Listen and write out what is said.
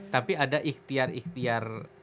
tapi ada ikhtiar ikhtiar